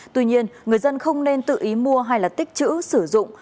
tuy nhiên người dân không nên tự ý mua hay tích chữ sử dụng